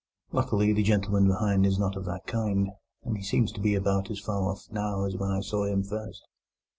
Luckily, the gentleman behind is not of that kind, and he seems to be about as far off now as when I saw him first.